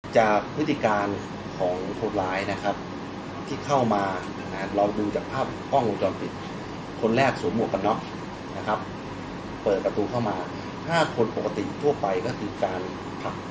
จากวิธีการของคนร้ายนะครับที่เข้ามานะฮะเราดูจากภาพกล้อง